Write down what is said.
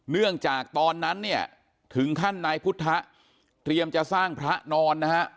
เนื่องจากตอนนั้นเนี่ยถึงขั้นนายพุทธเตรียมจะสร้างพระนอนนะฮะ